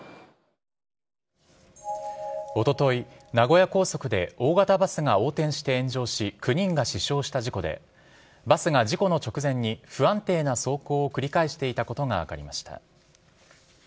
おととい、名古屋高速で大型バスが横転して炎上し９人が死傷した事故でバスが事故の直前に不安定な走行を繰り返していたことが分かりました。